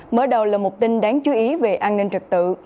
mở đầu là một tin đáng chú ý về an ninh trật tự